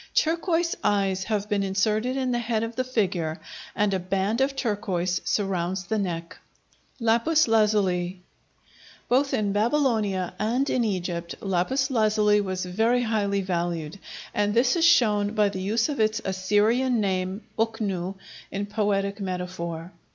Turquoise eyes have been inserted in the head of the figure and a band of turquoise surrounds the neck. Lapis Lazuli Both in Babylonia and in Egypt, lapis lazuli was very highly valued, and this is shown by the use of its Assyrian name (uknu) in poetic metaphor.